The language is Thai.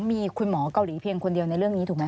มีคุณหมอเกาหลีเพียงคนเดียวในเรื่องนี้ถูกไหม